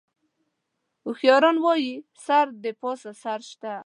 هوښیاران وایي: سر د پاسه سر شته.